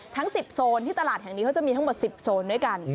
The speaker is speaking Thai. ทั้ง๑๐โซนที่ตลาดแห่งนี้เขาจะมีทั้งหมด๑๐โซนด้วยกัน